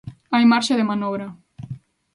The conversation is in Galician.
Hai marxe de manobra.